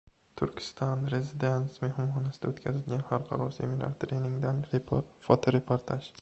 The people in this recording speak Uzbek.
"Turkistan residence" mehmonxonasida o‘tkazilgan Xalqaro seminar-treningdan fotoreportaj